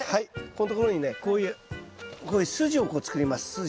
ここんところにねこういうこういう筋をこう作ります筋。